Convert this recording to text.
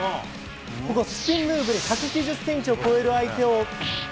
スピンムーブで１９０ｃｍを超える相手を。